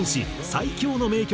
最強の名曲